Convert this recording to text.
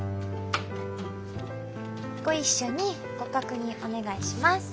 ご一緒にご確認お願いします。